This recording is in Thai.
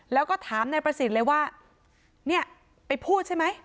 แล้วก็ถามนายประสิทธิ์เลยว่าเนี่ยไปพูดใช่ไหม